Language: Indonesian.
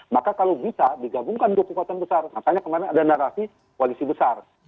maka kalau bisa digabungkan dua kekuatan besar makanya kemarin ada narasi koalisi besar